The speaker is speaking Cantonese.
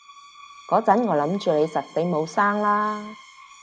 嗰陣我諗住你實死冇生喇